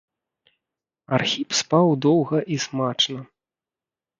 Архіп спаў доўга і смачна.